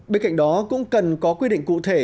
bên cạnh đó cũng cần có quy định cụ thể